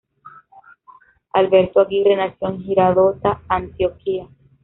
Alberto Aguirre nació en Girardota, Antioquia.